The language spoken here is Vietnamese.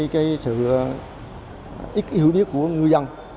cái sự ít hiểu biết của ngư dân